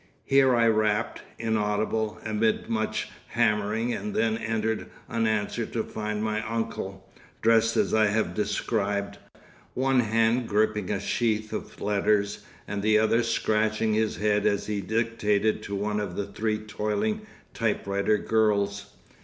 Here I rapped, inaudible amid much hammering, and then entered unanswered to find my uncle, dressed as I have described, one hand gripping a sheath of letters, and the other scratching his head as he dictated to one of three toiling typewriter girls.